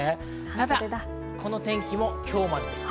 ただこの天気も今日までです。